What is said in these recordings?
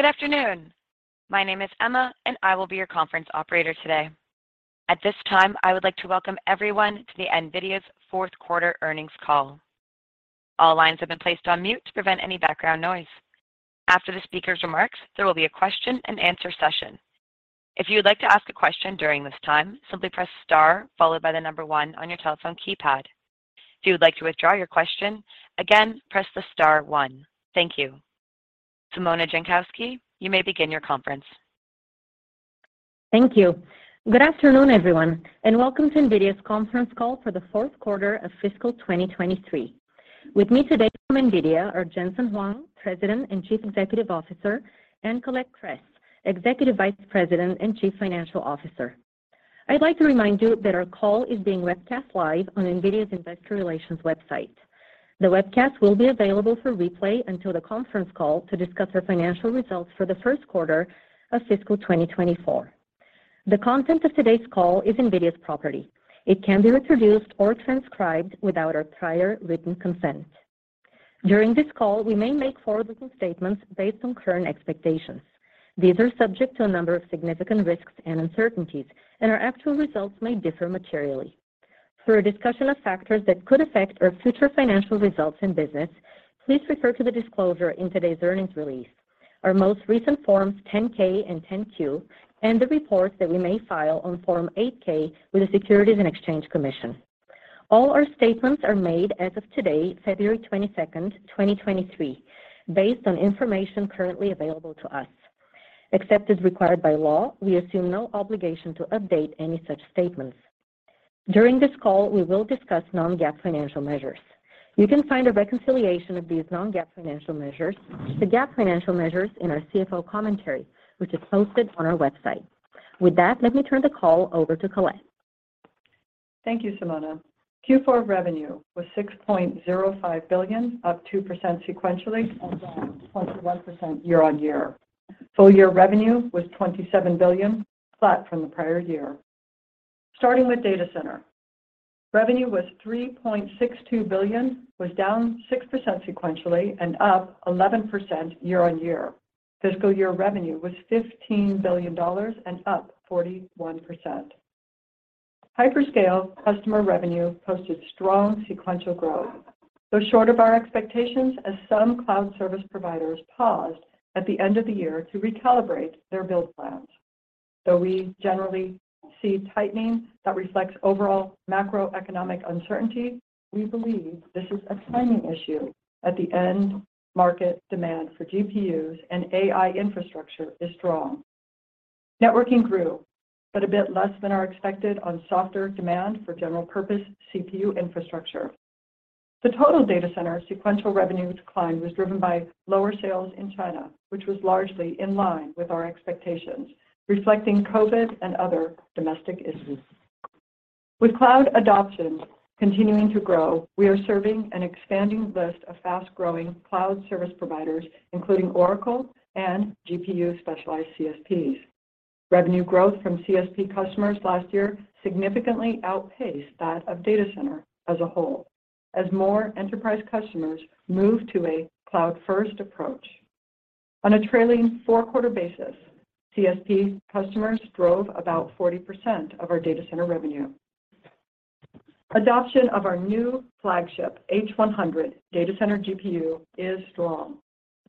Good afternoon. My name is Emma, and I will be your conference operator today. At this time, I would like to welcome everyone to the NVIDIA's Fourth Quarter Earnings Call. All lines have been placed on mute to prevent any background noise. After the speaker's remarks, there will be a question and answer session. If you would like to ask a question during this time, simply press star followed by the number one on your telephone keypad. If you would like to withdraw your question, again, press the star one. Thank you. Simona Jankowski, you may begin your conference. Thank you. Good afternoon, everyone, and welcome to NVIDIA's conference call for the fourth quarter of fiscal 2023. With me today from NVIDIA are Jensen Huang, President and Chief Executive Officer, and Colette Kress, Executive Vice President and Chief Financial Officer. I'd like to remind you that our call is being webcast live on NVIDIA's investor relations website. The webcast will be available for replay until the conference call to discuss our financial results for the first quarter of fiscal 2024. The content of today's call is NVIDIA's property. It can be reproduced or transcribed without our prior written consent. During this call, we may make forward-looking statements based on current expectations. These are subject to a number of significant risks and uncertainties, and our actual results may differ materially. For a discussion of factors that could affect our future financial results in business, please refer to the disclosure in today's earnings release, our most recent Forms 10-K and 10-Q, and the reports that we may file on Form 8-K with the Securities and Exchange Commission. All our statements are made as of today, February 22, 2023, based on information currently available to us. Except as required by law, we assume no obligation to update any such statements. During this call, we will discuss non-GAAP financial measures. You can find a reconciliation of these non-GAAP financial measures to GAAP financial measures in our CFO commentary, which is posted on our website. With that, let me turn the call over to Colette. Thank you, Simona. Q4 revenue was $6.05 billion, up 2% sequentially and down 21% year-on-year. Full year revenue was $27 billion, flat from the prior year. Starting with data center. Revenue was $3.62 billion, was down 6% sequentially and up 11% year-on-year. Fiscal year revenue was $15 billion and up 41%. Hyperscale customer revenue posted strong sequential growth, though short of our expectations as some cloud service providers paused at the end of the year to recalibrate their build plans. Though we generally see tightening that reflects overall macroeconomic uncertainty, we believe this is a timing issue at the end market demand for GPUs and AI infrastructure is strong. Networking grew, but a bit less than are expected on softer demand for general purpose CPU infrastructure. The total data center sequential revenue decline was driven by lower sales in China, which was largely in line with our expectations, reflecting COVID and other domestic issues. With cloud adoption continuing to grow, we are serving an expanding list of fast-growing cloud service providers, including Oracle and GPU-specialized CSPs. Revenue growth from CSP customers last year significantly outpaced that of data center as a whole as more enterprise customers moved to a cloud-first approach. On a trailing 4-quarter basis, CSP customers drove about 40% of our data center revenue. Adoption of our new flagship H100 data center GPU is strong.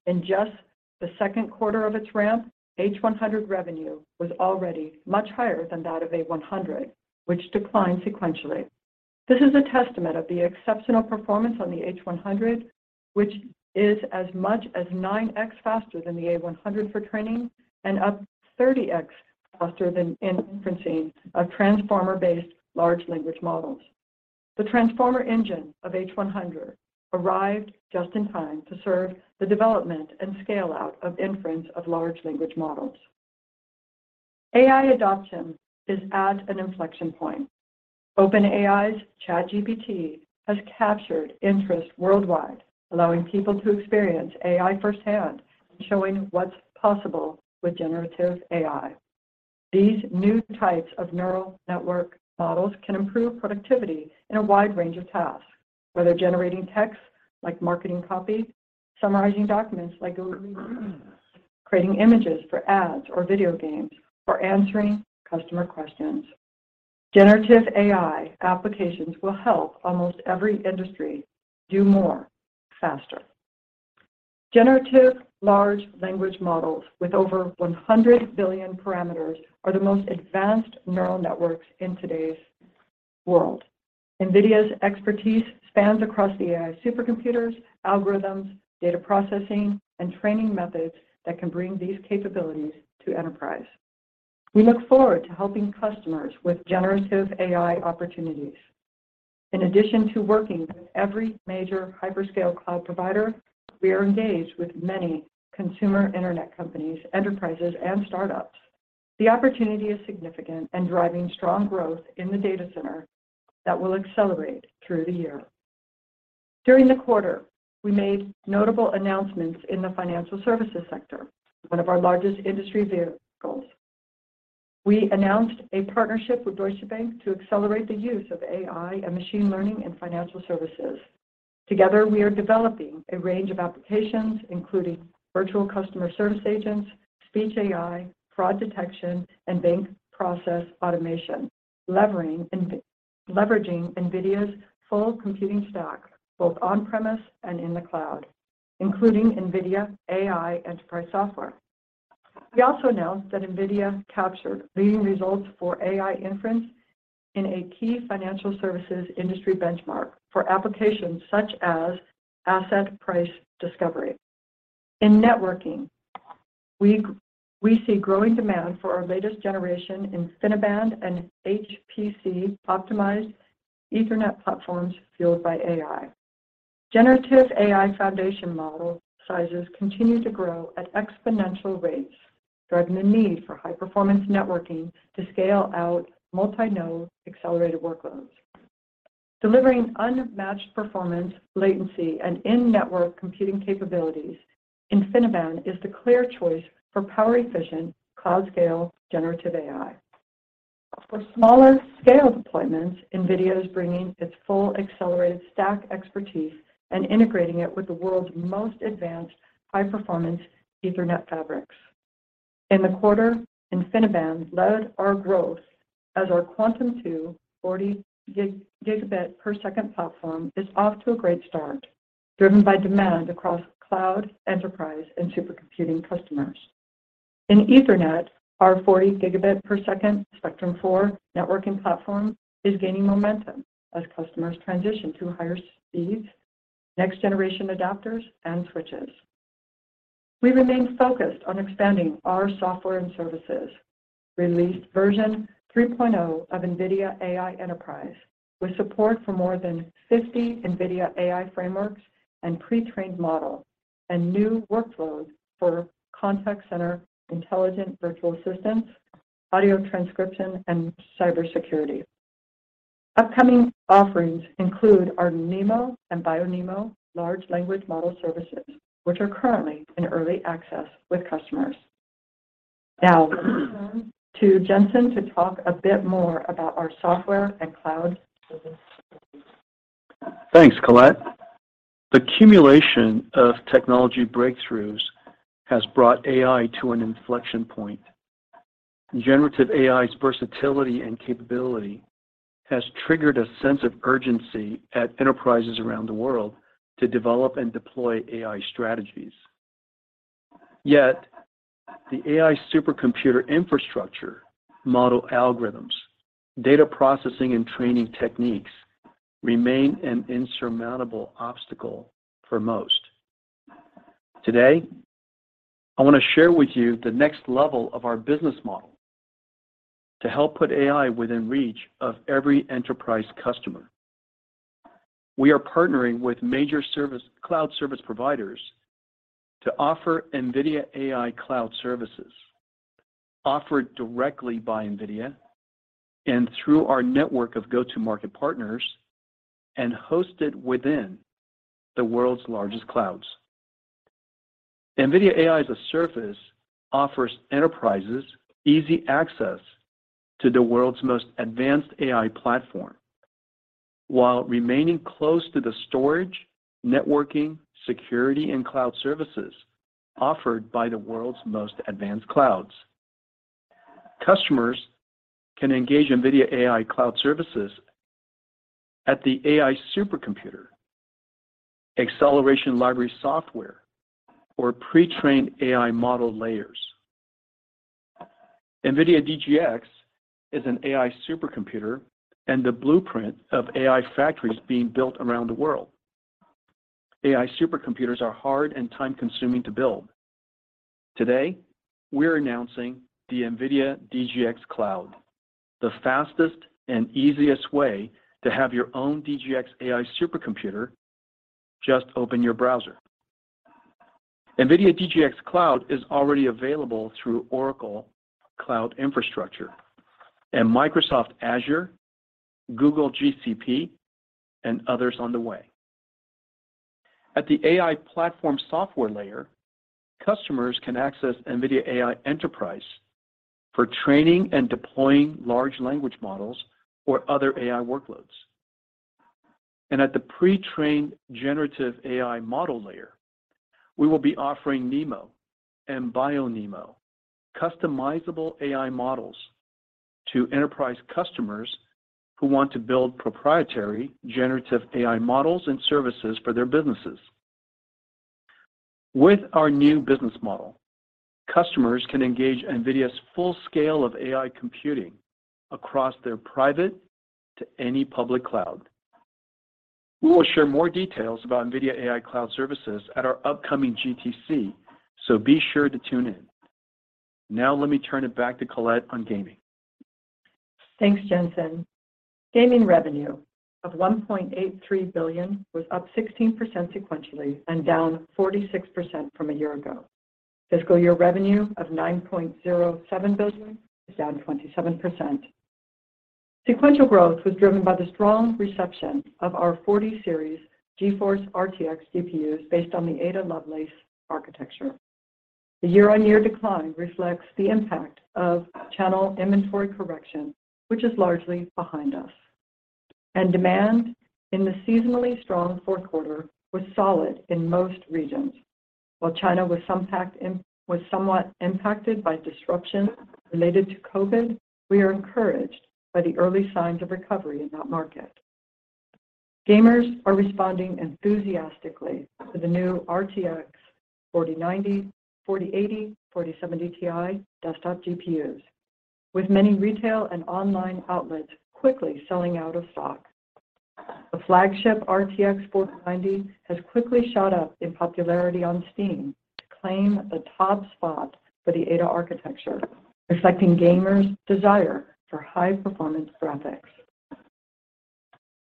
In just the 2nd quarter of its ramp, H100 revenue was already much higher than that of A100, which declined sequentially. This is a testament of the exceptional performance on the H100, which is as much as 9x faster than the A100 for training and up 30x faster than inferencing of Transformer-based large language models. The Transformer Engine of H100 arrived just in time to serve the development and scale out of inference of large language models. AI adoption is at an inflection point. OpenAI's ChatGPT has captured interest worldwide, allowing people to experience AI firsthand and showing what's possible with generative AI. These new types of neural network models can improve productivity in a wide range of tasks, whether generating text like marketing copy, summarizing documents like creating images for ads or video games, or answering customer questions. Generative AI applications will help almost every industry do more faster. Generative large language models with over 100 billion parameters are the most advanced neural networks in today's world. NVIDIA's expertise spans across the AI supercomputers, algorithms, data processing, and training methods that can bring these capabilities to enterprise. We look forward to helping customers with generative AI opportunities. In addition to working with every major hyperscale cloud provider, we are engaged with many consumer internet companies, enterprises, and startups. The opportunity is significant and driving strong growth in the data center that will accelerate through the year. During the quarter, we made notable announcements in the financial services sector, one of our largest industry verticals. We announced a partnership with Deutsche Bank to accelerate the use of AI and machine learning in financial services. Together, we are developing a range of applications, including virtual customer service agents, speech AI, fraud detection, and bank process automation, leveraging NVIDIA's full computing stack both on-premise and in the cloud, including NVIDIA AI Enterprise software. We also know that NVIDIA captured leading results for AI inference in a key financial services industry benchmark for applications such as asset price discovery. In networking, we see growing demand for our latest generation InfiniBand and HPC-optimized Ethernet platforms fueled by AI. Generative AI foundation model sizes continue to grow at exponential rates, driving the need for high-performance networking to scale out multi-node accelerated workloads. Delivering unmatched performance, latency, and in-network computing capabilities, InfiniBand is the clear choice for power-efficient, cloud-scale generative AI. For smaller scale deployments, NVIDIA is bringing its full accelerated stack expertise and integrating it with the world's most advanced high-performance Ethernet fabrics. In the quarter, InfiniBand led our growth as our Quantum-2 40 Gbps platform is off to a great start, driven by demand across cloud, enterprise, and supercomputing customers. In Ethernet, our 40 Gbps Spectrum-4 networking platform is gaining momentum as customers transition to higher speeds, next-generation adapters and switches. We remain focused on expanding our software and services. Released version 3.0 of NVIDIA AI Enterprise, with support for more than 50 NVIDIA AI frameworks and pre-trained models, and new workloads for contact center, intelligent virtual assistants, audio transcription, and cybersecurity. Upcoming offerings include our NeMo and BioNeMo large language model services, which are currently in early access with customers. Now to Jensen to talk a bit more about our software and cloud services. Thanks, Colette. The accumulation of technology breakthroughs has brought AI to an inflection point. Generative AI's versatility and capability has triggered a sense of urgency at enterprises around the world to develop and deploy AI strategies. Yet, the AI supercomputer infrastructure, model algorithms, data processing and training techniques remain an insurmountable obstacle for most. Today, I want to share with you the next level of our business model to help put AI within reach of every enterprise customer. We are partnering with major cloud service providers to offer NVIDIA AI cloud services offered directly by NVIDIA and through our network of go-to-market partners and hosted within the world's largest clouds. NVIDIA AI as a service offers enterprises easy access to the world's most advanced AI platform while remaining close to the storage, networking, security, and cloud services offered by the world's most advanced clouds. Customers can engage NVIDIA AI cloud services at the AI supercomputer, acceleration library software, or pre-trained AI model layers. NVIDIA DGX is an AI supercomputer and the blueprint of AI factories being built around the world. AI supercomputers are hard and time-consuming to build. Today, we're announcing the NVIDIA DGX Cloud, the fastest and easiest way to have your own DGX AI supercomputer. Just open your browser. NVIDIA DGX Cloud is already available through Oracle Cloud Infrastructure, Microsoft Azure, Google GCP, and others on the way. At the AI platform software layer, customers can access NVIDIA AI Enterprise for training and deploying large language models or other AI workloads. At the pre-trained generative AI model layer, we will be offering NeMo and BioNeMo, customizable AI models to enterprise customers who want to build proprietary generative AI models and services for their businesses. With our new business model, customers can engage NVIDIA's full scale of AI computing across their private to any public cloud. We will share more details about NVIDIA AI cloud services at our upcoming GTC, so be sure to tune in. Now let me turn it back to Colette on gaming. Thanks, Jensen. Gaming revenue of $1.83 billion was up 16% sequentially and down 46% from a year ago. Fiscal year revenue of $9.07 billion is down 27%. Sequential growth was driven by the strong reception of our 40 series GeForce RTX GPUs based on the Ada Lovelace architecture. The year-over-year decline reflects the impact of channel inventory correction, which is largely behind us. Demand in the seasonally strong fourth quarter was solid in most regions. While China was somewhat impacted by disruptions related to COVID, we are encouraged by the early signs of recovery in that market. Gamers are responding enthusiastically to the new RTX 4090, 4080, 4070 Ti desktop GPUs, with many retail and online outlets quickly selling out of stock. The flagship RTX 4090 has quickly shot up in popularity on Steam to claim the top spot for the Ada architecture, reflecting gamers desire for high-performance graphics.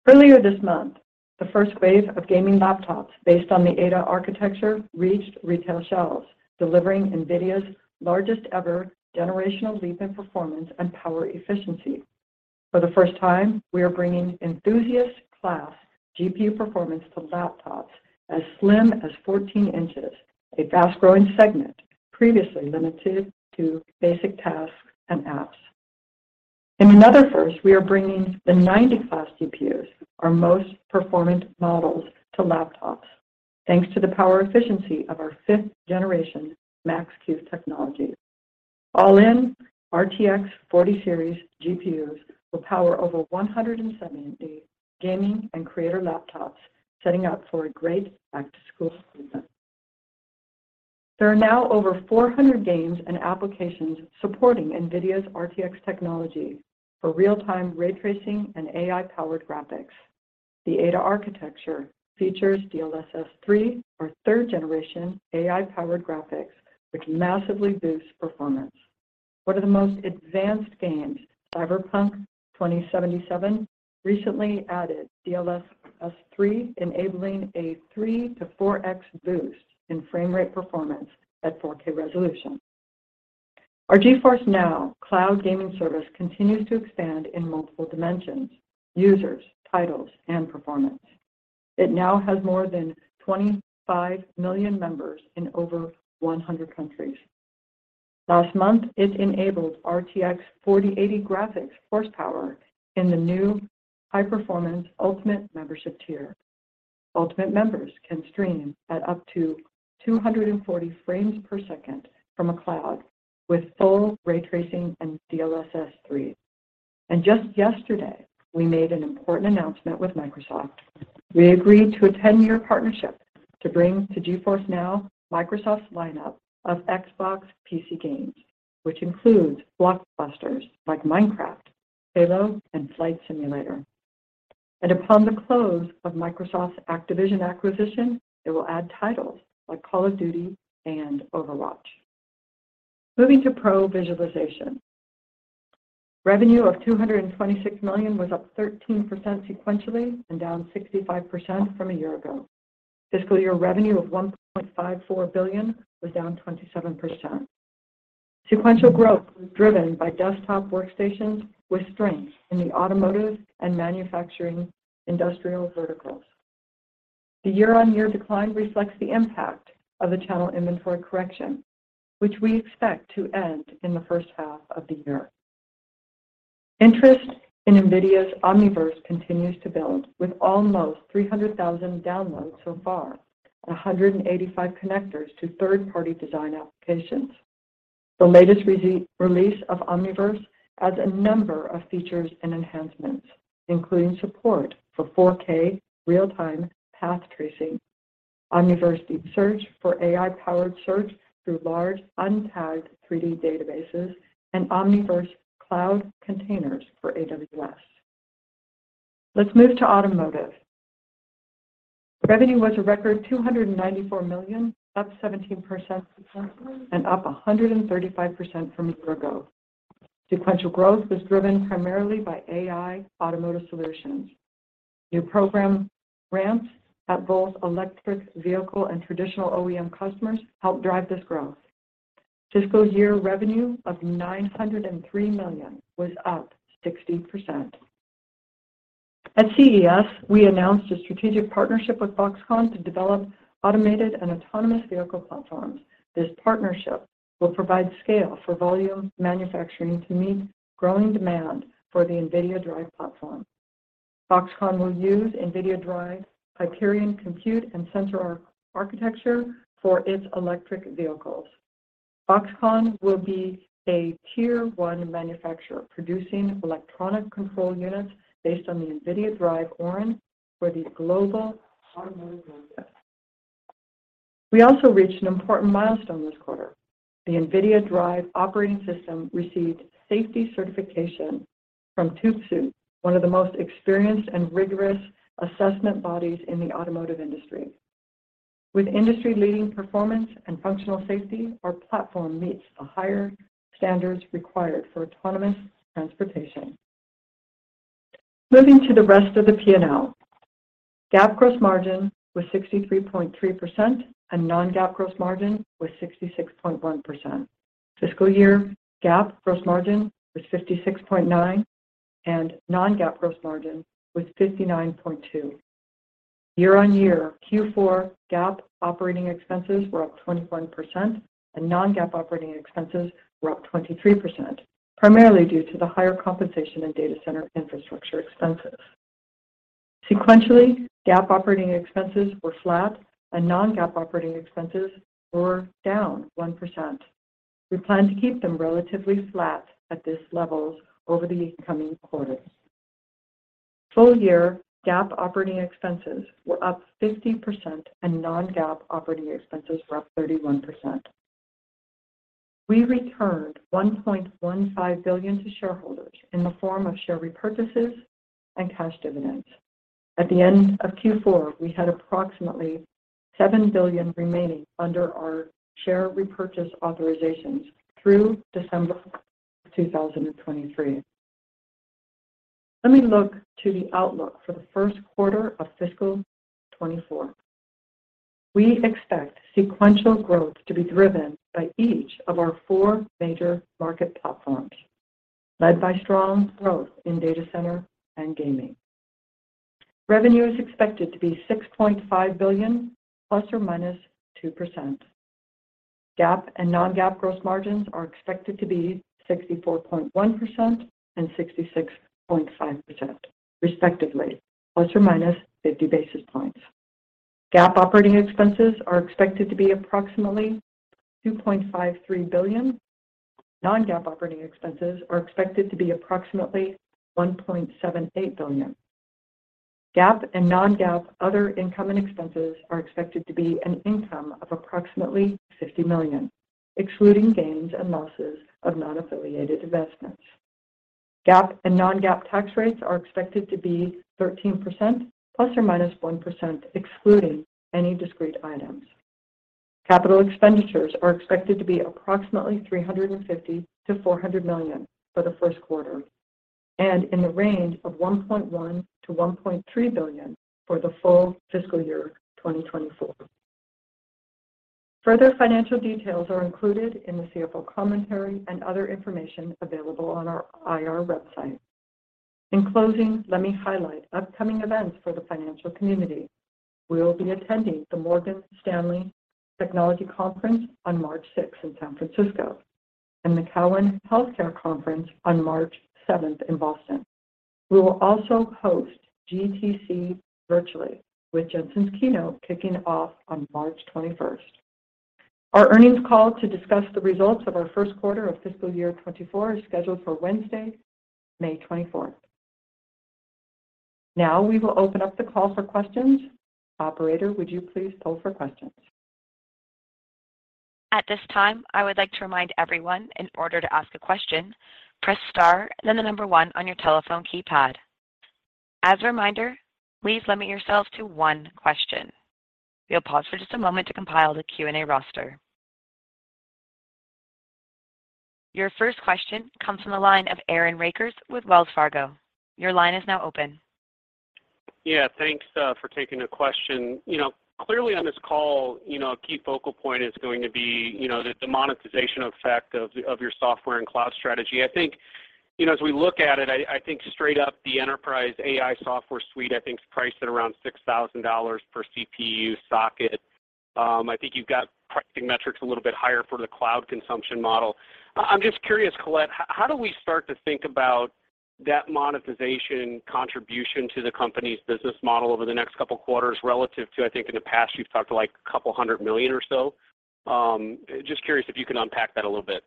Earlier this month, the first wave of gaming laptops based on the Ada architecture reached retail shelves, delivering NVIDIA's largest ever generational leap in performance and power efficiency. For the first time, we are bringing enthusiast class GPU performance to laptops as slim as 14 inches, a fast-growing segment previously limited to basic tasks and apps. In another first, we are bringing the 90 class GPUs, our most performant models, to laptops, thanks to the power efficiency of our fifth generation Max-Q technology. All in RTX 40 series GPUs will power over 170 gaming and creator laptops setting up for a great back-to-school season. There are now over 400 games and applications supporting NVIDIA's RTX technology for real-time ray tracing and AI-powered graphics. The Ada architecture features DLSS 3, our third generation AI-powered graphics, which massively boosts performance. One of the most advanced games, Cyberpunk 2077, recently added DLSS 3, enabling a 3-4x boost in frame rate performance at 4K resolution. Our GeForce NOW cloud gaming service continues to expand in multiple dimensions, users, titles and performance. It now has more than 25 million members in over 100 countries. Last month, it enabled RTX 4080 graphics horsepower in the new high-performance Ultimate membership tier. Ultimate members can stream at up to 240 frames per second from a cloud with full ray tracing and DLSS 3. Just yesterday, we made an important announcement with Microsoft. We agreed to a 10-year partnership to bring to GeForce NOW Microsoft's lineup of Xbox PC games, which includes blockbusters like Minecraft, Halo, and Flight Simulator. Upon the close of Microsoft's Activision acquisition, it will add titles like Call of Duty and Overwatch. Moving to pro visualization. Revenue of $226 million was up 13% sequentially and down 65% from a year ago. Fiscal year revenue of $1.54 billion was down 27%. Sequential growth was driven by desktop workstations with strength in the automotive and manufacturing industrial verticals. The year-on-year decline reflects the impact of the channel inventory correction, which we expect to end in the first half of the year. Interest in NVIDIA's Omniverse continues to build, with almost 300,000 downloads so far and 185 connectors to third-party design applications. The latest release of Omniverse adds a number of features and enhancements, including support for 4K real-time path tracing, Omniverse DeepSearch for AI-powered search through large untagged 3D databases, and Omniverse cloud containers for AWS. Let's move to automotive. Revenue was a record $294 million, up 17% sequentially and up 135% from a year ago. Sequential growth was driven primarily by AI automotive solutions. New program ramps at both electric vehicle and traditional OEM customers helped drive this growth. Fiscal year revenue of $903 million was up 60%. At CES, we announced a strategic partnership with Foxconn to develop automated and autonomous vehicle platforms. This partnership will provide scale for volume manufacturing to meet growing demand for the NVIDIA DRIVE platform. Foxconn will use NVIDIA DRIVE, Hyperion Compute, and sensor architecture for its electric vehicles. Foxconn will be a tier one manufacturer producing electronic control units based on the NVIDIA DRIVE Orin for these global automotive markets. We also reached an important milestone this quarter. The NVIDIA DRIVE operating system received safety certification from TÜV SÜD, one of the most experienced and rigorous assessment bodies in the automotive industry. With industry-leading performance and functional safety, our platform meets the higher standards required for autonomous transportation. Moving to the rest of the P&L. GAAP gross margin was 63.3% and non-GAAP gross margin was 66.1%. Fiscal year GAAP gross margin was 56.9%, and non-GAAP gross margin was 59.2%. Year-over-year Q4 GAAP operating expenses were up 21% and non-GAAP operating expenses were up 23%, primarily due to the higher compensation and data center infrastructure expenses. Sequentially, GAAP operating expenses were flat and non-GAAP operating expenses were down 1%. We plan to keep them relatively flat at this level over the coming quarters. Full year GAAP operating expenses were up 50% and non-GAAP operating expenses were up 31%. We returned $1.15 billion to shareholders in the form of share repurchases and cash dividends. At the end of Q4, we had approximately $7 billion remaining under our share repurchase authorizations through December 2023. Let me look to the outlook for the first quarter of fiscal 2024. We expect sequential growth to be driven by each of our four major market platforms, led by strong growth in data center and gaming. Revenue is expected to be $6.5 billion ±2%. GAAP and non-GAAP gross margins are expected to be 64.1% and 66.5% respectively, ±50 basis points. GAAP operating expenses are expected to be approximately $2.53 billion. Non-GAAP operating expenses are expected to be approximately $1.78 billion. GAAP and non-GAAP other income and expenses are expected to be an income of approximately $50 million, excluding gains and losses of non-affiliated investments. GAAP and non-GAAP tax rates are expected to be 13% ±1%, excluding any discrete items. Capital expenditures are expected to be approximately $350 million-$400 million for the first quarter, and in the range of $1.1 billion-$1.3 billion for the full fiscal year 2024. Further financial details are included in the CFO commentary and other information available on our IR website. In closing, let me highlight upcoming events for the financial community. We will be attending the Morgan Stanley Technology Conference on March 6th in San Francisco, and the Cowen Health Care Conference on March 7th in Boston. We will also host GTC virtually, with Jensen's keynote kicking off on March 21st. Our earnings call to discuss the results of our first quarter of fiscal year 2024 is scheduled for Wednesday, May 24th. We will open up the call for questions. Operator, would you please open for questions? At this time, I would like to remind everyone in order to ask a question, press star then the number one on your telephone keypad. As a reminder, please limit yourself to one question. We'll pause for just a moment to compile the Q&A roster. Your first question comes from the line of Aaron Rakers with Wells Fargo. Your line is now open. Yeah, thanks for taking the question. You know, clearly on this call, you know, a key focal point is going to be, you know, the monetization effect of your software and cloud strategy. I think, you know, as we look at it, I think straight up the enterprise AI software suite I think is priced at around $6,000 per CPU socket. I think you've got pricing metrics a little bit higher for the cloud consumption model. I'm just curious, Colette, how do we start to think about that monetization contribution to the company's business model over the next couple quarters relative to, I think in the past you've talked to like $200 million or so? Just curious if you can unpack that a little bit.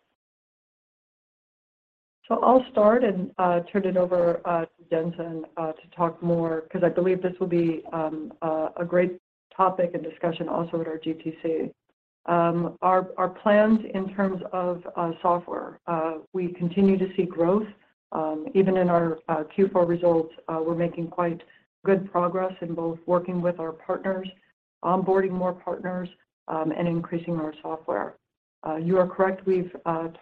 I'll start and turn it over to Jensen to talk more because I believe this will be a great topic and discussion also at our GTC. Our plans in terms of software, we continue to see growth. Even in our Q4 results, we're making quite good progress in both working with our partners, onboarding more partners, and increasing our software. You are correct. We've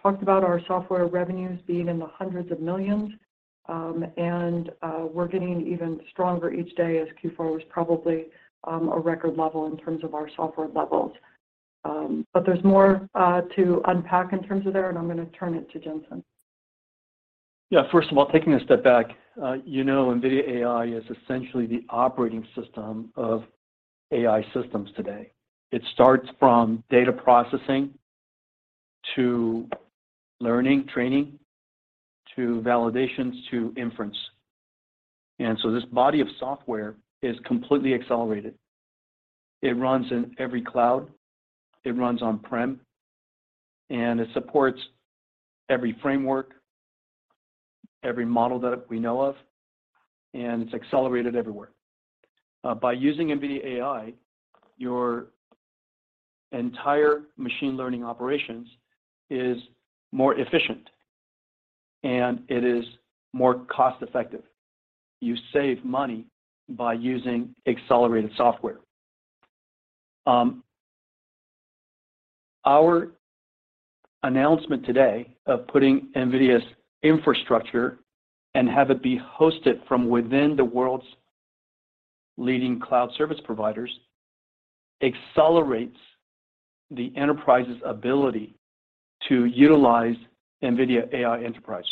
talked about our software revenues being in the hundreds of millions, and we're getting even stronger each day as Q4 was probably a record level in terms of our software levels. There's more to unpack in terms of there, and I'm gonna turn it to Jensen. First of all, taking a step back, you know, NVIDIA AI is essentially the operating system of AI systems today. It starts from data processing to learning, training, to validations, to inference. This body of software is completely accelerated. It runs in every cloud, it runs on-prem, and it supports every framework, every model that we know of, and it's accelerated everywhere. By using NVIDIA AI, your entire machine learning operations is more efficient and it is more cost-effective. You save money by using accelerated software. Our announcement today of putting NVIDIA's infrastructure and have it be hosted from within the world's leading cloud service providers accelerates the enterprise's ability to utilize NVIDIA AI Enterprise.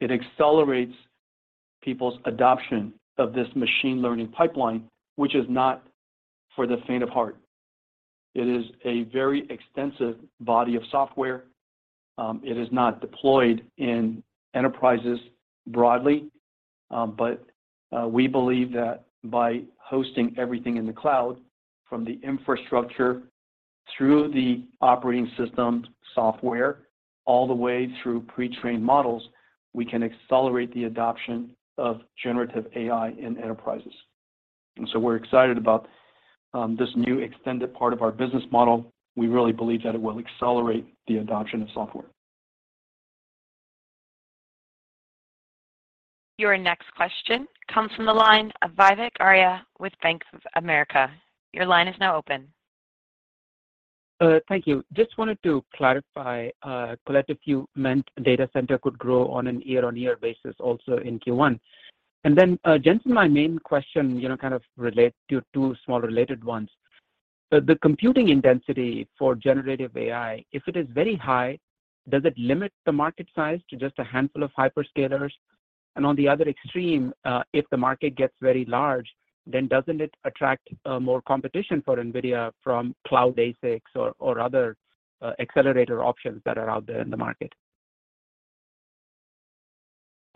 It accelerates people's adoption of this machine learning pipeline, which is not for the faint of heart. It is a very extensive body of software. It is not deployed in enterprises broadly. We believe that by hosting everything in the cloud from the infrastructure through the operating system software all the way through pre-trained models, we can accelerate the adoption of generative AI in enterprises. We're excited about this new extended part of our business model. We really believe that it will accelerate the adoption of software. Your next question comes from the line of Vivek Arya with Bank of America. Your line is now open. Thank you. Just wanted to clarify, Colette, if you meant data center could grow on an year-on-year basis also in Q1? Jensen, my main question, you know, kind of relates to two small related ones. The computing intensity for generative AI, if it is very high, does it limit the market size to just a handful of hyperscalers? On the other extreme, if the market gets very large, doesn't it attract more competition for NVIDIA from cloud ASICs or other accelerator options that are out there in the market?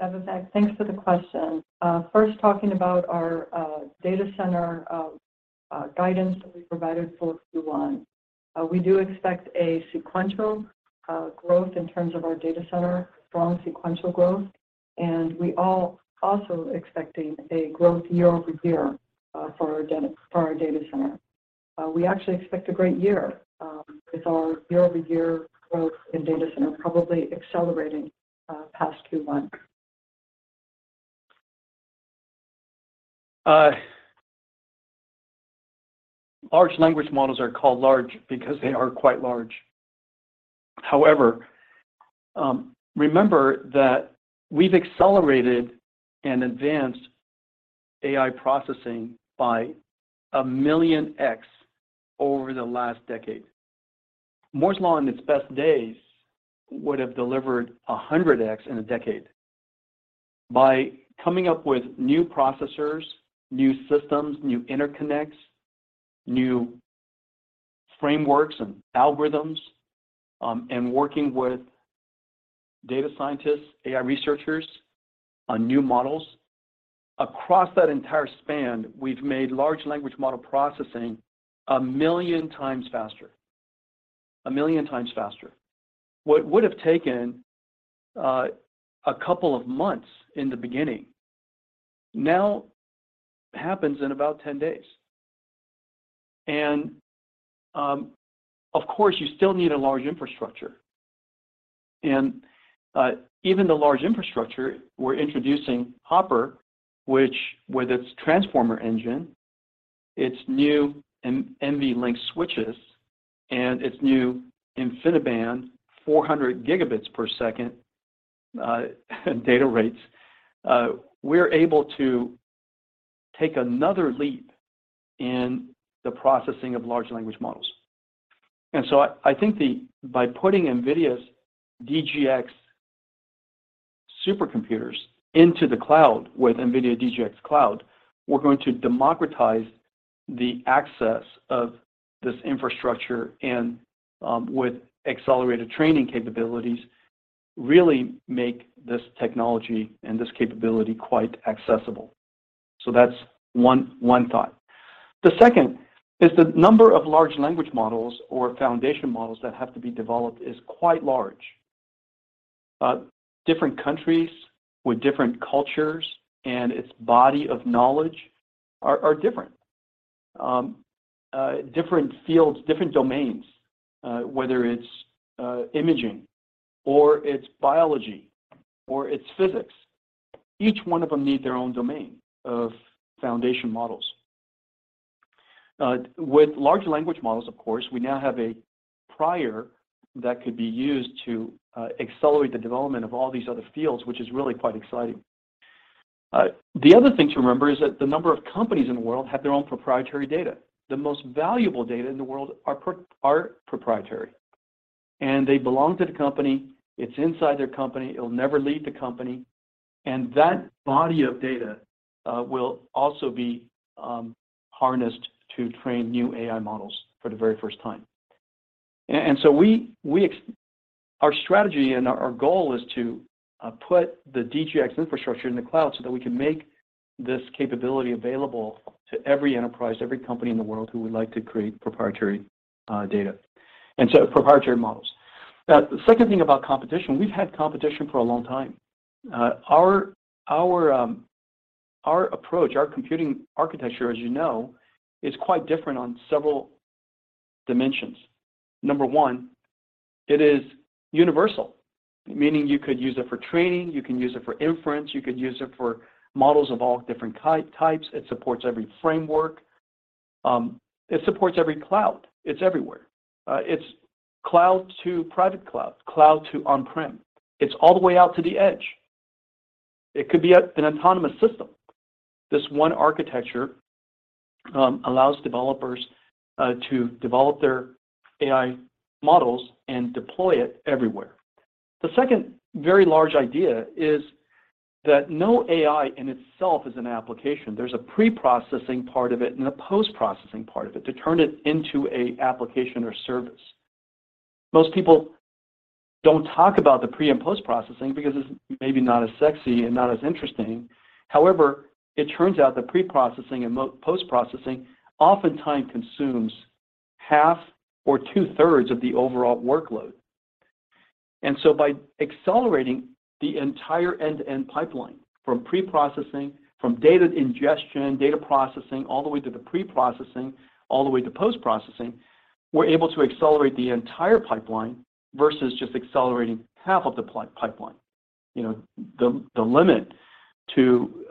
Vivek, thanks for the question. First talking about our data center guidance that we provided for Q1. We do expect a sequential growth in terms of our data center, strong sequential growth, and we also expecting a growth year-over-year for our data center. We actually expect a great year with our year-over-year growth in data center probably accelerating past Q1. Large language models are called large because they are quite large. However, remember that we've accelerated and advanced AI processing by 1,000,000x over the last decade. Moore's Law in its best days would have delivered 100x in a decade. By coming up with new processors, new systems, new interconnects, new frameworks and algorithms, and working with data scientists, AI researchers on new models, across that entire span, we've made large language model processing a million times faster. A million times faster. What would have taken a couple of months in the beginning now happens in about 10 days. Of course, you still need a large infrastructure. Even the large infrastructure, we're introducing Hopper, which with its Transformer Engine, its new NVLink switches, and its new InfiniBand 400 Gbps data rates, we're able to take another leap in the processing of large language models. I think by putting NVIDIA's DGX supercomputers into the cloud with NVIDIA DGX Cloud, we're going to democratize the access of this infrastructure and with accelerated training capabilities, really make this technology and this capability quite accessible. That's one thought. The second is the number of large language models or foundation models that have to be developed is quite large. Different countries with different cultures and its body of knowledge are different. Different fields, different domains, whether it's imaging or it's biology or it's physics, each one of them need their own domain of foundation models. With large language models, of course, we now have a prior that could be used to accelerate the development of all these other fields, which is really quite exciting. The other thing to remember is that the number of companies in the world have their own proprietary data. The most valuable data in the world are proprietary, and they belong to the company. It's inside their company. It'll never leave the company. That body of data will also be harnessed to train new AI models for the very first time. We, our strategy and our goal is to put the DGX infrastructure in the cloud so that we can make this capability available to every enterprise, every company in the world who would like to create proprietary data, proprietary models. The second thing about competition, we've had competition for a long time. Our, our approach, our computing architecture, as you know, is quite different on several dimensions. Number one. It is universal, meaning you could use it for training, you can use it for inference, you could use it for models of all different types. It supports every framework. It supports every cloud. It's everywhere. It's cloud to private cloud to on-prem. It's all the way out to the edge. It could be an autonomous system. This one architecture allows developers to develop their AI models and deploy it everywhere. The second very large idea is that no AI in itself is an application. There's a preprocessing part of it and a post-processing part of it to turn it into a application or service. Most people don't talk about the pre- and post-processing because it's maybe not as sexy and not as interesting. However, it turns out that preprocessing and post-processing oftentimes consumes half or two-thirds of the overall workload. By accelerating the entire end-to-end pipeline from preprocessing, from data ingestion, data processing, all the way to the preprocessing, all the way to post-processing, we're able to accelerate the entire pipeline versus just accelerating half of the pipeline. You know, the limit to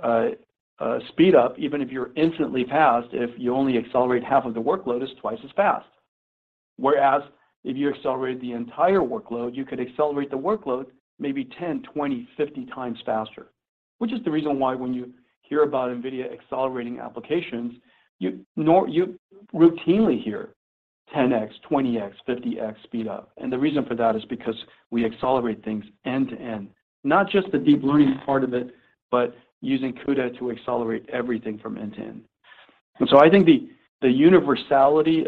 speed up, even if you're instantly fast, if you only accelerate half of the workload, is twice as fast. Whereas if you accelerate the entire workload, you could accelerate the workload maybe 10, 20, 50 times faster. The reason why when you hear about NVIDIA accelerating applications, you routinely hear 10x, 20x, 50x speed up. The reason for that is because we accelerate things end-to-end, not just the deep learning part of it, but using CUDA to accelerate everything from end to end. I think the universality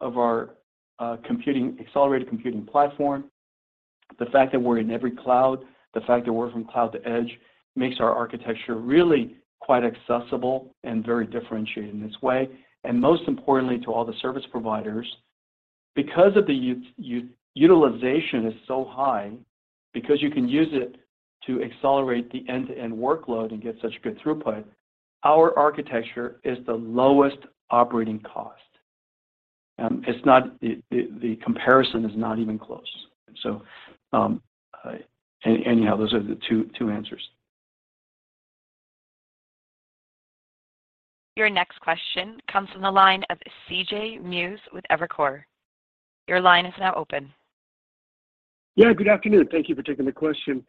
of our accelerated computing platform, the fact that we're in every cloud, the fact that we're from cloud to edge, makes our architecture really quite accessible and very differentiated in this way. Most importantly to all the service providers, because of the utilization is so high, because you can use it to accelerate the end-to-end workload and get such good throughput, our architecture is the lowest operating cost. It's not... The comparison is not even close. Anyhow, those are the two answers. Your next question comes from the line of C.J. Muse with Evercore. Your line is now open. Yeah, good afternoon. Thank you for taking the question.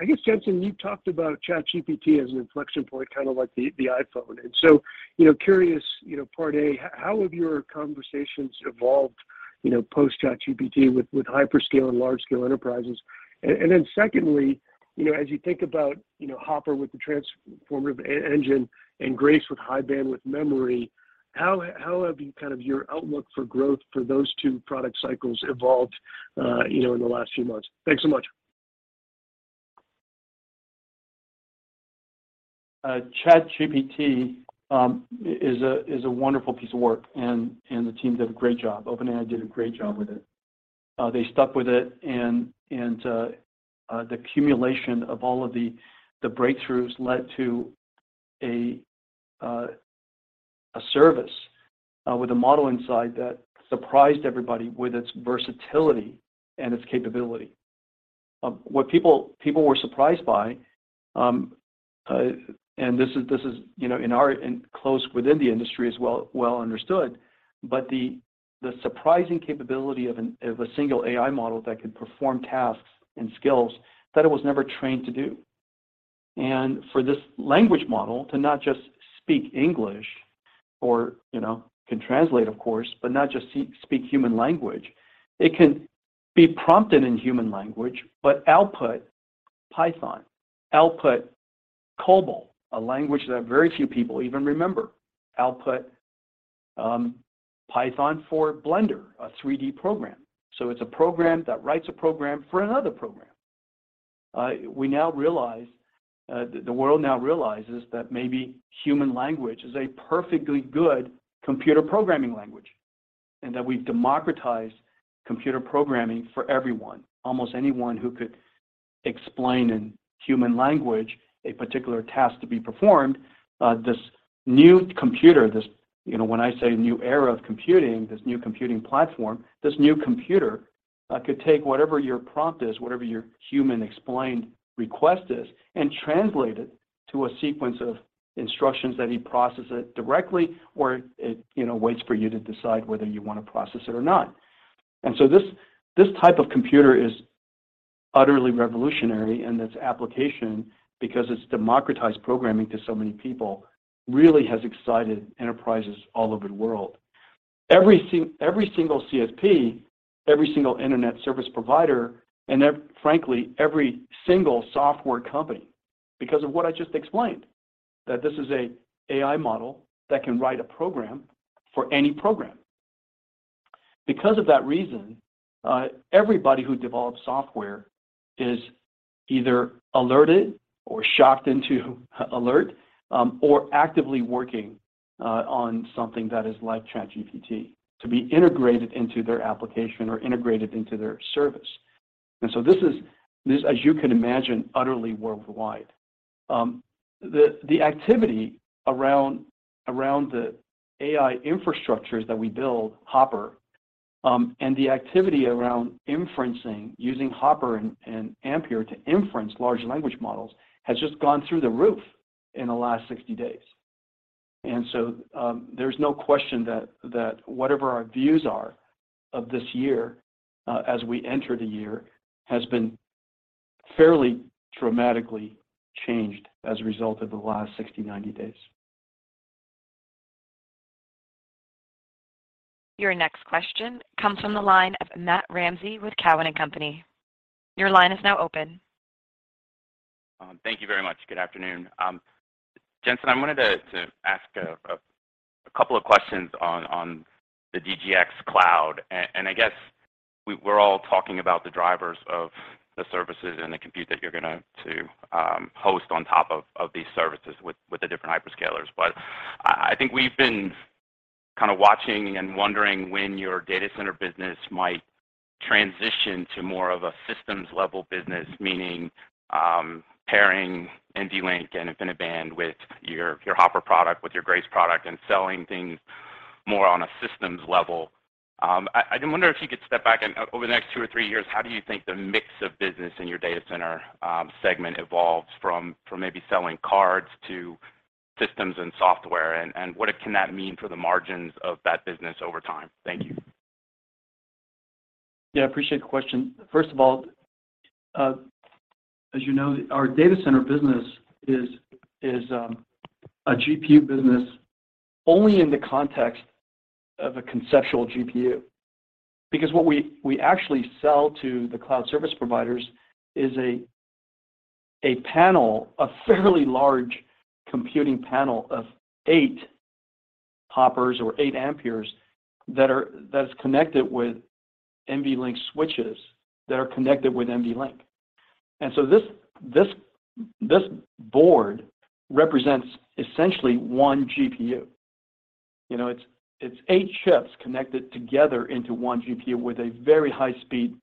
I guess, Jensen, you talked about ChatGPT as an inflection point, kinda like the iPhone. So, you know, curious, you know, part A, how have your conversations evolved, you know, post-ChatGPT with hyperscale and large scale enterprises? And then secondly, you know, as you think about, you know, Hopper with the Transformer Engine and Grace with High-Bandwidth Memory, kind of your outlook for growth for those two product cycles evolved, you know, in the last few months? Thanks so much. ChatGPT is a wonderful piece of work, and the team did a great job. OpenAI did a great job with it. They stuck with it and the accumulation of all of the breakthroughs led to a service with a model inside that surprised everybody with its versatility and its capability. What people were surprised by, this is, you know, and close within the industry is well understood, but the surprising capability of a single AI model that could perform tasks and skills that it was never trained to do. For this language model to not just speak English or, you know, can translate, of course, but not just speak human language. It can be prompted in human language, but output Python, output COBOL, a language that very few people even remember. Output, Python for Blender, a 3D program. It's a program that writes a program for another program. We now realize, the world now realizes that maybe human language is a perfectly good computer programming language, that we've democratized computer programming for everyone. Almost anyone who could explain in human language a particular task to be performed, this new computer, you know, when I say new era of computing, this new computing platform, this new computer, could take whatever your prompt is, whatever your human explained request is, and translate it to a sequence of instructions that either process it directly or it, you know, waits for you to decide whether you wanna process it or not. This type of computer is utterly revolutionary in its application because it's democratized programming to so many people, really has excited enterprises all over the world. Every single CSP, every single internet service provider, and frankly, every single software company, because of what I just explained, that this is a AI model that can write a program for any program. Because of that reason, everybody who develops software is either alerted or shocked into alert or actively working on something that is like ChatGPT to be integrated into their application or integrated into their service. This is, as you can imagine, utterly worldwide. The activity around the AI infrastructures that we build, Hopper, and the activity around inferencing using Hopper and Ampere to inference large language models has just gone through the roof in the last 60 days. There's no question that whatever our views are of this year, as we enter the year, has been fairly dramatically changed as a result of the last 60, 90 days. Your next question comes from the line of Matt Ramsay with Cowen and Company. Your line is now open. Thank you very much. Good afternoon. Jensen, I wanted to ask a couple of questions on the DGX Cloud. I guess we're all talking about the drivers of the services and the compute that you're gonna to host on top of these services with the different hyperscalers. I think we've been kinda watching and wondering when your data center business might transition to more of a systems level business, meaning, pairing NVLink and InfiniBand with your Hopper product, with your Grace product, and selling things more on a systems level. I wonder if you could step back and over the next two or three years, how do you think the mix of business in your data center segment evolves from maybe selling cards to systems and software? What can that mean for the margins of that business over time? Thank you. Yeah, I appreciate the question. First of all, as you know, our data center business is a GPU business only in the context of a conceptual GPU. What we actually sell to the cloud service providers is a panel, a fairly large computing panel of eight Hoppers or eight Amperes that is connected with NVLink switches, that are connected with NVLink. This board represents essentially one GPU. You know, it's eight chips connected together into one GPU with a very high speed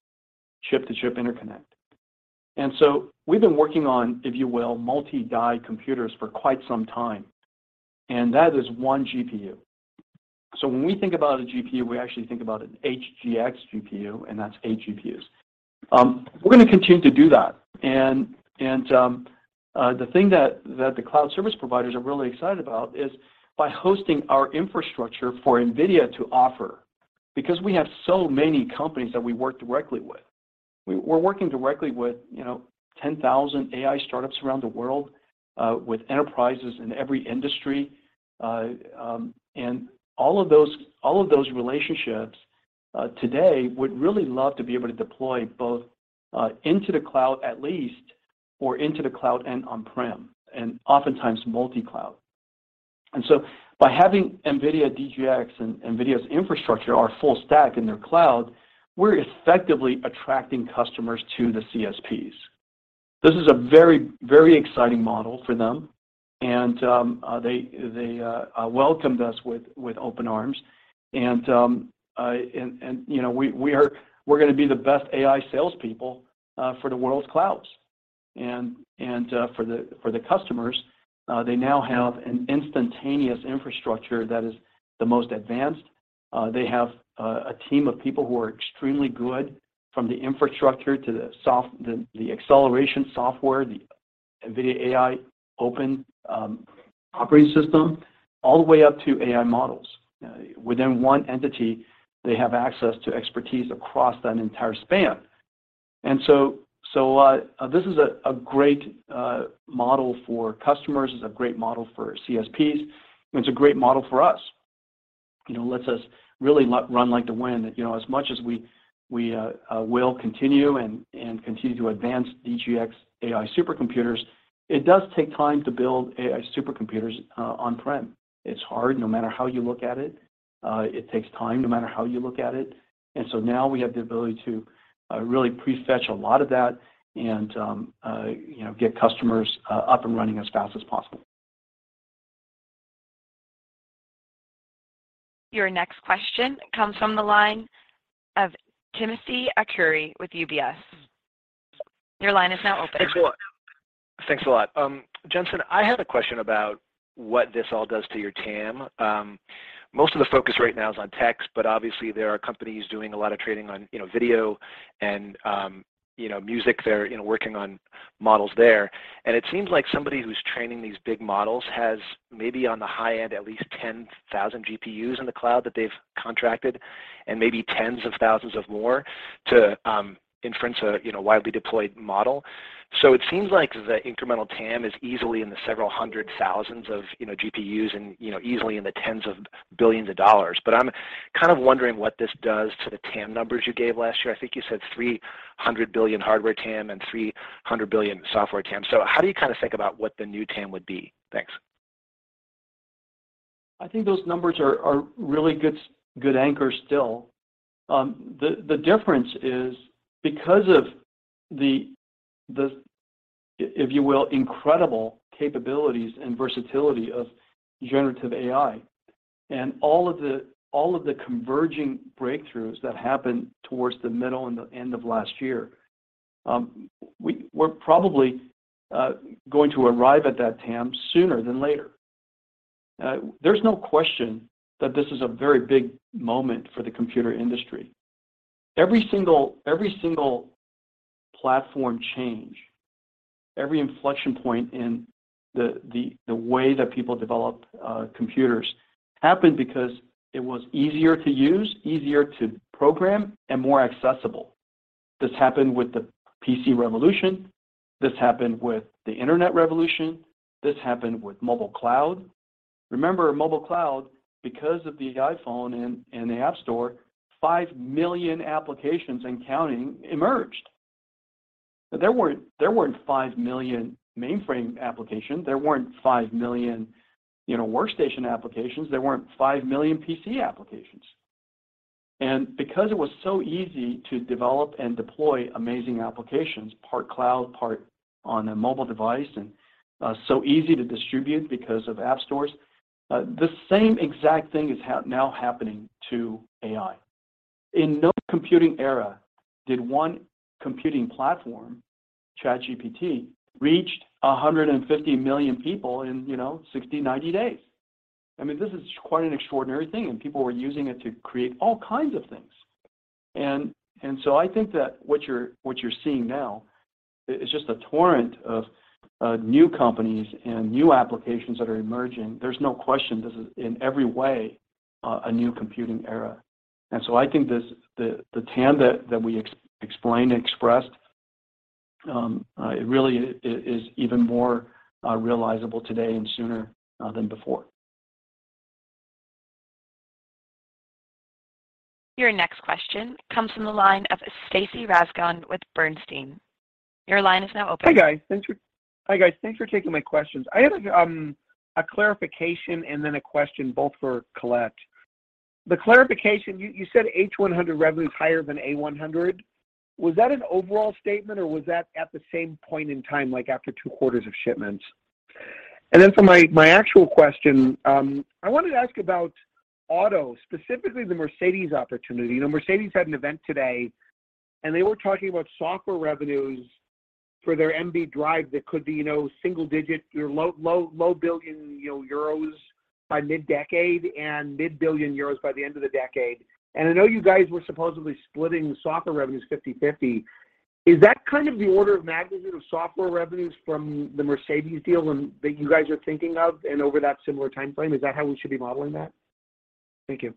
chip-to-chip interconnect. We've been working on, if you will, multi-die computers for quite some time, and that is one GPU. When we think about a GPU, we actually think about an HGX GPU, and that's eight GPUs. We're gonna continue to do that. The thing that the cloud service providers are really excited about is by hosting our infrastructure for NVIDIA to offer, because we have so many companies that we work directly with. We're working directly with, you know, 10,000 AI startups around the world, with enterprises in every industry. All of those relationships today would really love to be able to deploy both into the cloud at least, or into the cloud and on-prem, and oftentimes multi-cloud. By having NVIDIA DGX and NVIDIA's infrastructure, our full stack in their cloud, we're effectively attracting customers to the CSPs. This is a very, very exciting model for them, they welcomed us with open arms. You know, we're gonna be the best AI salespeople for the world's clouds. For the customers, they now have an instantaneous infrastructure that is the most advanced. They have a team of people who are extremely good from the infrastructure to the acceleration software, the NVIDIA AI open operating system, all the way up to AI models. Within one entity, they have access to expertise across that entire span. This is a great model for customers. It's a great model for CSPs, and it's a great model for us. You know, lets us really run like the wind. You know, as much as we will continue and continue to advance DGX AI supercomputers, it does take time to build AI supercomputers on-prem. It's hard no matter how you look at it. It takes time no matter how you look at it. Now we have the ability to really prefetch a lot of that and, you know, get customers up and running as fast as possible. Your next question comes from the line of Timothy Arcuri with UBS. Your line is now open. Thanks a lot. Jensen, I had a question about what this all does to your TAM. Most of the focus right now is on text, but obviously there are companies doing a lot of trading on, you know, video and, you know, music. They're, you know, working on models there. It seems like somebody who's training these big models has maybe on the high end, at least 10,000 GPUs in the cloud that they've contracted and maybe tens of thousands of more to inference a, you know, widely deployed model. It seems like the incremental TAM is easily in the several hundred thousands of, you know, GPUs and, you know, easily in the $ tens of billions of dollars. I'm kind of wondering what this does to the TAM numbers you gave last year. I think you said $300 billion hardware TAM and $300 billion software TAM. How do you kinda think about what the new TAM would be? Thanks. I think those numbers are really good anchors still. The difference is because of the, if you will, incredible capabilities and versatility of generative AI and all of the converging breakthroughs that happened towards the middle and the end of last year, we're probably going to arrive at that TAM sooner than later. There's no question that this is a very big moment for the computer industry. Every single platform change, every inflection point in the way that people develop computers happened because it was easier to use, easier to program, and more accessible. This happened with the PC revolution. This happened with the internet revolution. This happened with mobile cloud. Remember mobile cloud, because of the iPhone and the App Store, 5 million applications and counting emerged. There weren't 5 million mainframe applications. There weren't 5 million, you know, workstation applications. There weren't 5 million PC applications. Because it was so easy to develop and deploy amazing applications, part cloud, part on a mobile device, and so easy to distribute because of App Stores, the same exact thing is now happening to AI. In no computing era did 1 computing platform, ChatGPT, reached 150 million people in, you know, 60, 90 days. I mean, this is quite an extraordinary thing, and people were using it to create all kinds of things. I think that what you're seeing now is just a torrent of new companies and new applications that are emerging. There's no question this is in every way a new computing era. I think the TAM that we explained and expressed, it really is even more realizable today and sooner than before. Your next question comes from the line of Stacy Rasgon with Bernstein. Your line is now open. Hi, guys. Thanks for taking my questions. I have a clarification and then a question both for Colette. The clarification, you said H100 revenue is higher than A100. Was that an overall statement, or was that at the same point in time, like after two quarters of shipments? For my actual question, I wanted to ask about auto, specifically the Mercedes opportunity. You know, Mercedes had an event today, and they were talking about software revenues for their MB Drive that could be, you know, single digit or low billion EUR by mid-decade and mid-billion EUR by the end of the decade. I know you guys were supposedly splitting software revenues 50/50. Is that kind of the order of magnitude of software revenues from the Mercedes deal and that you guys are thinking of and over that similar timeframe? Is that how we should be modeling that? Thank you.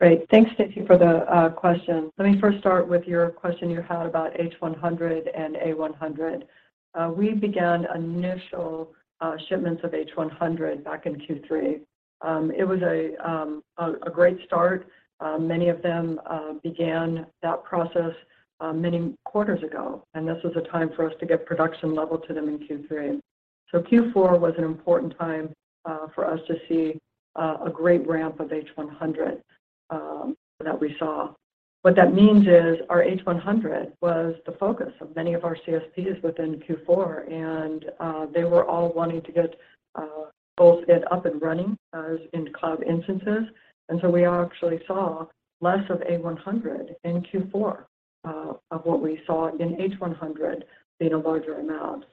Great. Thanks, Stacy, for the question. Let me first start with your question you had about H100 and A100. We began initial shipments of H100 back in Q3. It was a great start. Many of them began that process many quarters ago, and this was a time for us to get production level to them in Q3. Q4 was an important time for us to see a great ramp of H100 that we saw. What that means is our H100 was the focus of many of our CSPs within Q4, and they were all wanting to get both it up and running in cloud instances. We actually saw less of A100 in Q4 of what we saw in H100 being a larger amount.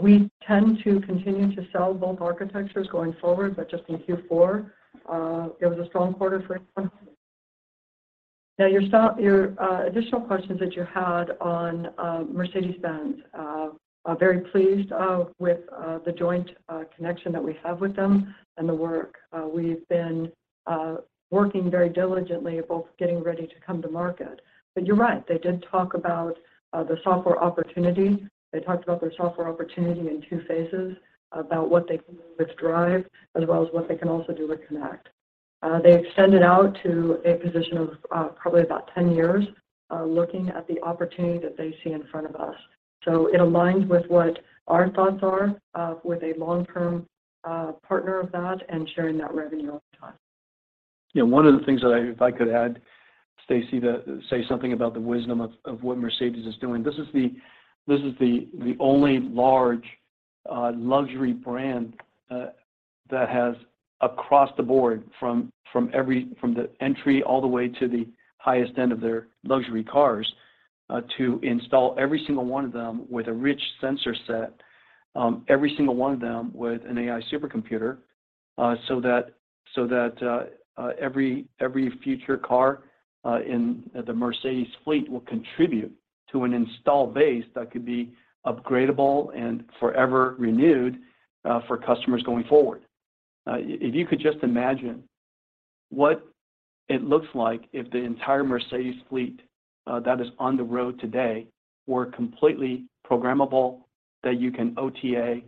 We tend to continue to sell both architectures going forward, but just in Q4, it was a strong quarter for H100. Now your additional questions that you had on Mercedes-Benz. Very pleased with the joint connection that we have with them and the work. We've been working very diligently both getting ready to come to market. You're right, they did talk about the software opportunity. They talked about their software opportunity in 2 phases, about what they can do with Drive as well as what they can also do with Connect. They extended out to a position of, probably about 10 years, looking at the opportunity that they see in front of us. It aligns with what our thoughts are, with a long-term, partner of that and sharing that revenue over time. One of the things that if I could add, Stacy, to say something about the wisdom of what Mercedes is doing. This is the only large luxury brand that has across the board from the entry all the way to the highest end of their luxury cars to install every single one of them with a rich sensor set, every single one of them with an AI supercomputer so that every future car in the Mercedes fleet will contribute to an install base that could be upgradeable and forever renewed for customers going forward. If you could just imagine what it looks like if the entire Mercedes fleet that is on the road today were completely programmable, that you can OTA,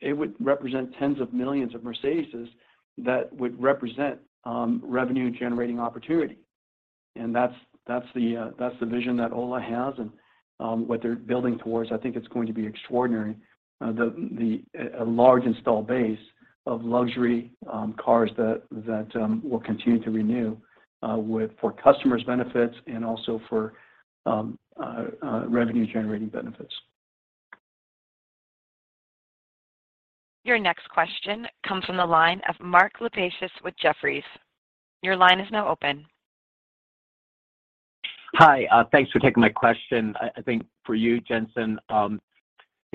it would represent tens of millions of Mercedes that would represent revenue-generating opportunity. That's, that's the vision that Ola has and what they're building towards. I think it's going to be extraordinary, a large install base of luxury cars that will continue to renew. For customers' benefits and also for revenue-generating benefits. Your next question comes from the line of Mark Lipacis with Jefferies. Your line is now open. Hi. Thanks for taking my question. I think for you, Jensen. You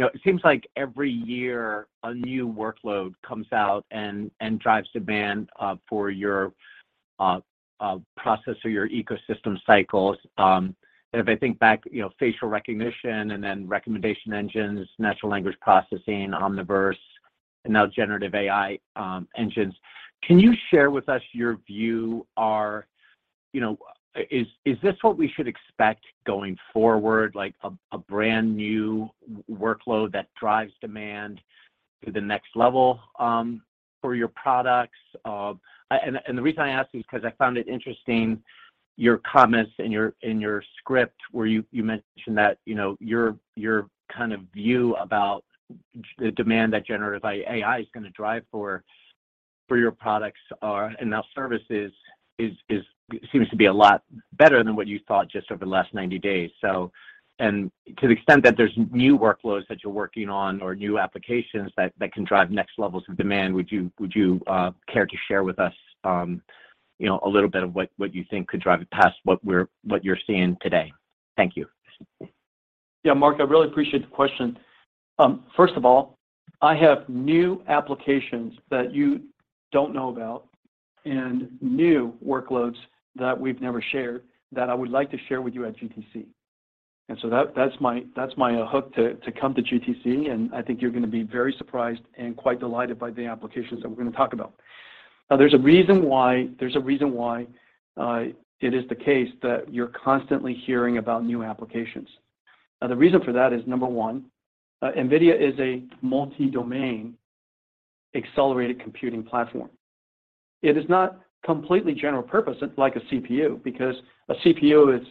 know, it seems like every year a new workload comes out and drives demand for your process or your ecosystem cycles. And if I think back, you know, facial recognition and then recommendation engines, natural language processing, Omniverse, and now generative AI engines. Can you share with us your view? You know, is this what we should expect going forward like a brand new workload that drives demand to the next level for your products? And the reason I ask is 'cause I found it interesting your comments in your script where you mentioned that, you know, your kind of view about demand that generative AI is gonna drive for your products are, and now services is seems to be a lot better than what you thought just over the last 90 days. And to the extent that there's new workloads that you're working on or new applications that can drive next levels of demand, would you care to share with us, you know, a little bit of what you think could drive it past what you're seeing today? Thank you. Yeah. Mark, I really appreciate the question. First of all, I have new applications that you don't know about and new workloads that we've never shared that I would like to share with you at GTC. That, that's my, that's my hook to come to GTC, and I think you're gonna be very surprised and quite delighted by the applications that we're gonna talk about. Now, there's a reason why, there's a reason why it is the case that you're constantly hearing about new applications. Now, the reason for that is, number one, NVIDIA is a multi-domain accelerated computing platform. It is not completely general purpose like a CPU, because a CPU is,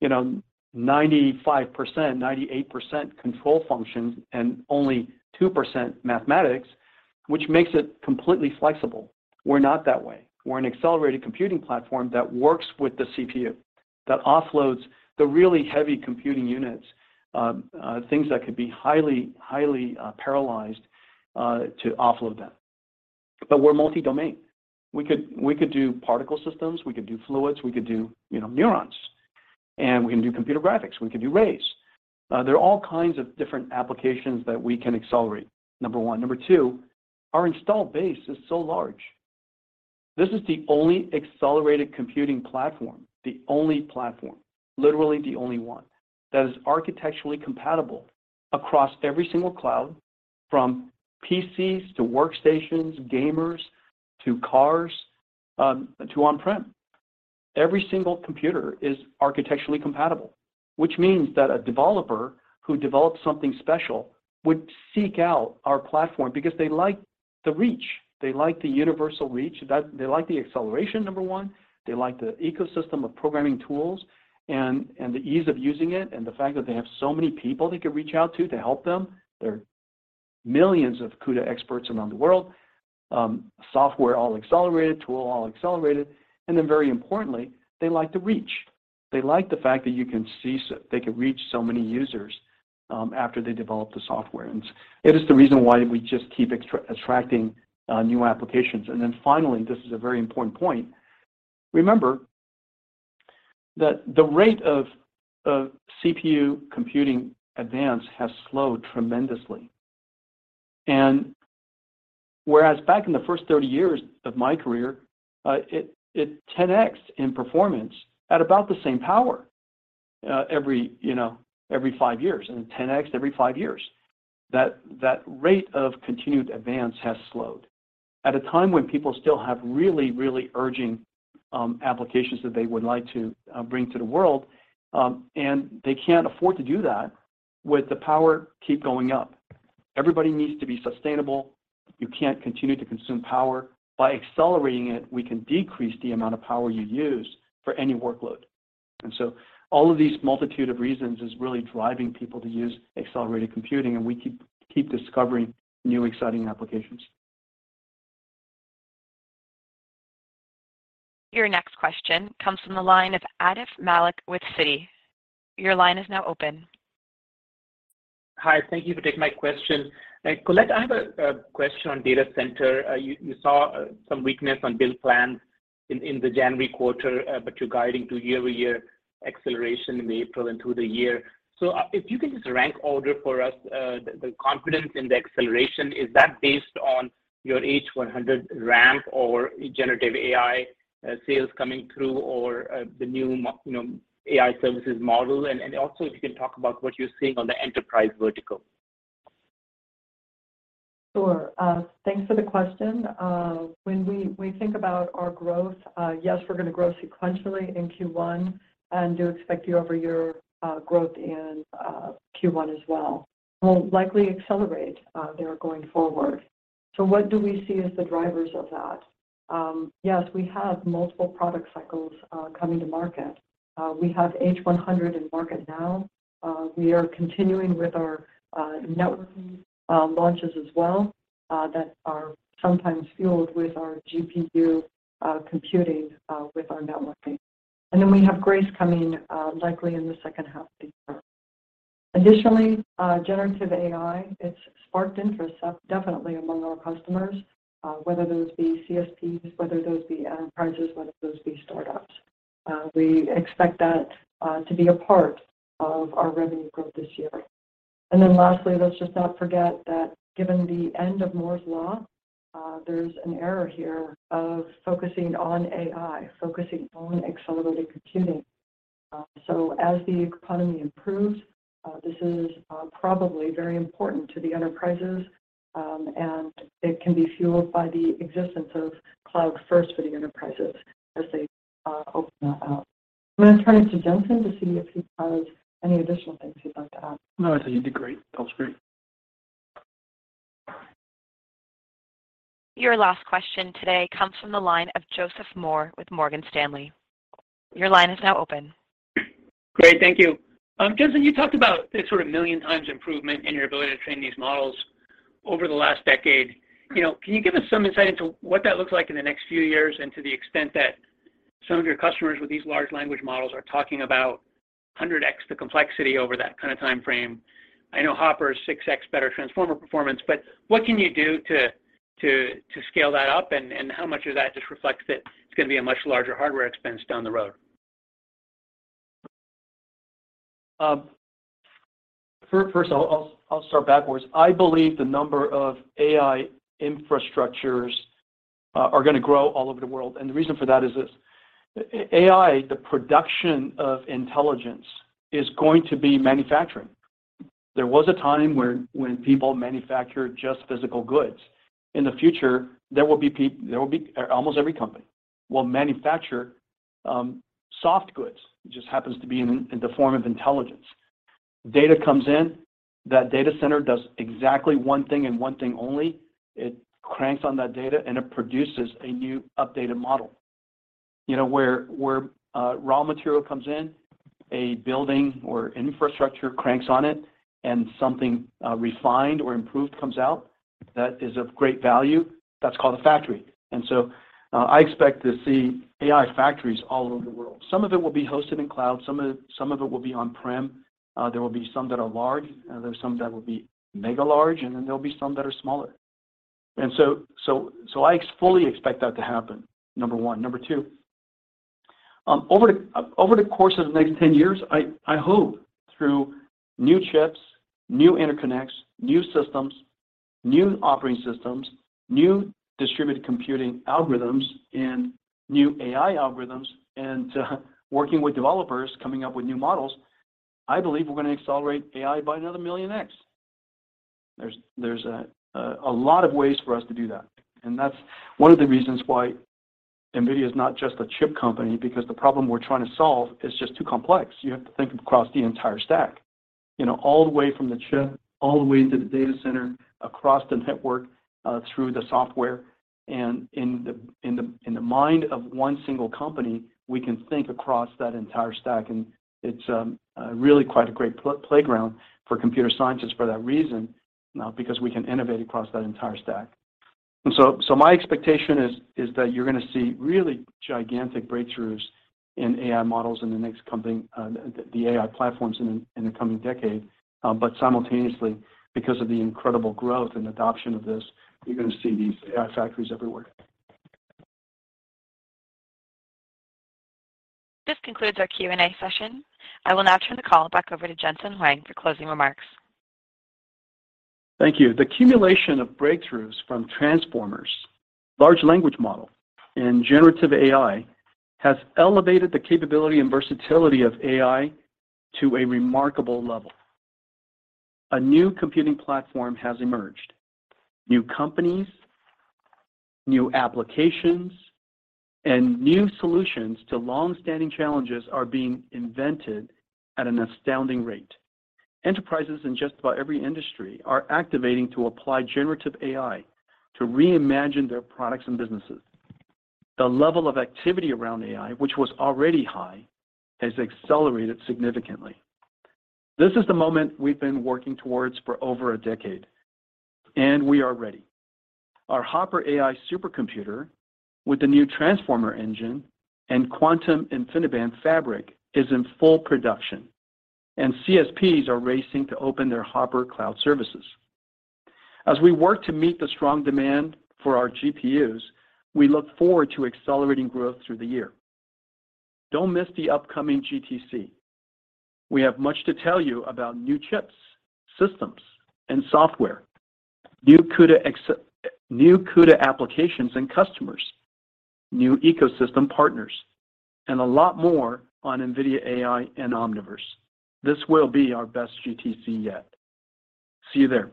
you know, 95%, 98% control functions and only 2% mathematics, which makes it completely flexible. We're not that way. We're an accelerated computing platform that works with the CPU, that offloads the really heavy computing units, things that could be highly paralyzed to offload them. We're multi-domain. We could do particle systems, we could do fluids, we could do, you know, neurons, and we can do computer graphics, we can do rays. There are all kinds of different applications that we can accelerate, number one. Number two, our install base is so large. This is the only accelerated computing platform, the only platform, literally the only one that is architecturally compatible across every single cloud, from PCs to workstations, gamers to cars, to on-prem. Every single computer is architecturally compatible, which means that a developer who develops something special would seek out our platform because they like the reach. They like the universal reach that... They like the acceleration, number 1, they like the ecosystem of programming tools and the ease of using it, and the fact that they have so many people they could reach out to to help them. There are millions of CUDA experts around the world. Software all accelerated, tool all accelerated. Very importantly, they like the reach. They like the fact that you can see they can reach so many users after they develop the software. It is the reason why we just keep attracting new applications. Finally, this is a very important point. Remember that the rate of CPU computing advance has slowed tremendously. Whereas back in the first 30 years of my career, it 10x in performance at about the same power, every, you know, every five years, and 10x every five years. That rate of continued advance has slowed. At a time when people still have really, really urging applications that they would like to bring to the world, and they can't afford to do that with the power keep going up. Everybody needs to be sustainable. You can't continue to consume power. By accelerating it, we can decrease the amount of power you use for any workload. All of these multitude of reasons is really driving people to use accelerated computing, and we keep discovering new exciting applications. Your next question comes from the line of Atif Malik with Citi. Your line is now open. Hi. Thank you for taking my question. Colette, I have a question on data center. You saw some weakness on build plans in the January quarter, but you're guiding to year-over-year acceleration in April and through the year. If you can just rank order for us, the confidence in the acceleration, is that based on your H100 ramp or generative AI sales coming through or the new you know AI services model? Also if you can talk about what you're seeing on the enterprise vertical? Sure. Thanks for the question. When we think about our growth, yes, we're gonna grow sequentially in Q1 and do expect year-over-year growth in Q1 as well. We'll likely accelerate there going forward. What do we see as the drivers of that? Yes, we have multiple product cycles coming to market. We have H100 in market now. We are continuing with our network launches as well. That are sometimes fueled with our GPU computing, with our networking. Then we have Grace coming, likely in the second half of the year. Additionally, generative AI, it's sparked interest definitely among our customers, whether those be CSPs, whether those be enterprises, whether those be startups. We expect that to be a part of our revenue growth this year. Lastly, let's just not forget that given the end of Moore's Law, there's an era here of focusing on AI, focusing on accelerated computing. So as the economy improves, this is probably very important to the enterprises, and it can be fueled by the existence of cloud first for the enterprises as they open that up. I'm gonna turn it to Jensen to see if he has any additional things he'd like to add. No, I think you did great. That was great. Your last question today comes from the line of Joseph Moore with Morgan Stanley. Your line is now open. Great. Thank you. Jensen, you talked about the sort of million times improvement in your ability to train these models over the last decade. You know, can you give us some insight into what that looks like in the next few years and to the extent that some of your customers with these large language models are talking about 100x the complexity over that kind of time frame. I know Hopper is 6x better Transformer performance, but what can you do to scale that up and how much of that just reflects that it's gonna be a much larger hardware expense down the road? First, I'll start backwards. I believe the number of AI infrastructures are gonna grow all over the world. The reason for that is this. AI, the production of intelligence, is going to be manufacturing. There was a time where, when people manufactured just physical goods. In the future, there will be almost every company will manufacture soft goods. It just happens to be in the form of intelligence. Data comes in, that data center does exactly one thing and one thing only. It cranks on that data. It produces a new updated model. You know, where raw material comes in, a building or infrastructure cranks on it, something refined or improved comes out that is of great value, that's called a factory. I expect to see AI factories all over the world. Some of it will be hosted in cloud, some of it will be on-prem. There will be some that are large, there's some that will be mega large, then there'll be some that are smaller. I fully expect that to happen, number 1. Number 2, over the course of the next 10 years, I hope through new chips, new interconnects, new systems, new operating systems, new distributed computing algorithms and new AI algorithms and, working with developers coming up with new models, I believe we're gonna accelerate AI by another million X. There's a lot of ways for us to do that, and that's one of the reasons why NVIDIA is not just a chip company because the problem we're trying to solve is just too complex. You have to think across the entire stack, you know, all the way from the chip, all the way to the data center, across the network, through the software. In the mind of one single company, we can think across that entire stack, and it's really quite a great playground for computer scientists for that reason, because we can innovate across that entire stack. My expectation is that you're gonna see really gigantic breakthroughs in AI models in the next coming the AI platforms in the coming decade. Simultaneously, because of the incredible growth and adoption of this, you're gonna see these AI factories everywhere. This concludes our Q&A session. I will now turn the call back over to Jensen Huang for closing remarks. Thank you. The accumulation of breakthroughs from transformers, large language model, and generative AI has elevated the capability and versatility of AI to a remarkable level. A new computing platform has emerged. New companies, new applications, and new solutions to long-standing challenges are being invented at an astounding rate. Enterprises in just about every industry are activating to apply generative AI to reimagine their products and businesses. The level of activity around AI, which was already high, has accelerated significantly. This is the moment we've been working towards for over a decade, and we are ready. Our Hopper AI supercomputer with the new Transformer Engine and Quantum InfiniBand fabric is in full production, and CSPs are racing to open their Hopper cloud services. As we work to meet the strong demand for our GPUs, we look forward to accelerating growth through the year. Don't miss the upcoming GTC. We have much to tell you about new chips, systems, and software, new CUDA applications and customers, new ecosystem partners, and a lot more on NVIDIA AI and Omniverse. This will be our best GTC yet. See you there.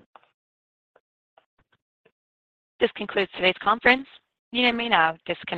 This concludes today's conference. You may now disconnect.